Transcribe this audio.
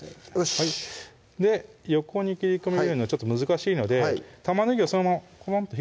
しっで横に切り込みを入れるのちょっと難しいので玉ねぎをそのままコロンとこう？